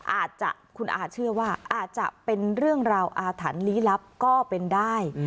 อาจจะคุณอาเชื่อว่าอาจจะเป็นเรื่องราวอาถรรพ์ลี้ลับก็เป็นได้